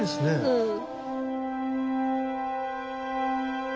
うん。